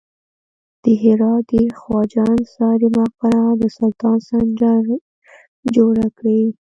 د هرات د خواجه انصاري مقبره د سلطان سنجر جوړه کړې